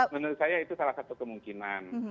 menurut saya itu salah satu kemungkinan